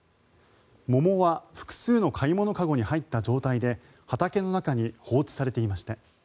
桃は複数の買い物籠に入った状態で畑の中に放置されていました。